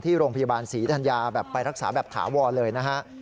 ที่โรงพยาบาลศรีธัญญาแบบไปรักษาแบบถาวรเลยนะฮะ